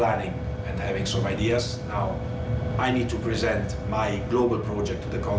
แล้วฉันบอกเขาฉันจะมาเจอคุณ